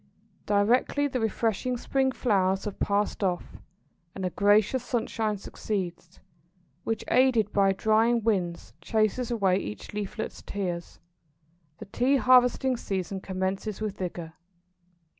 Directly the refreshing spring showers have passed off, and a gracious sunshine succeeds, which, aided by drying winds, chases away each leaflet's tears, the Tea harvesting season commences with vigour.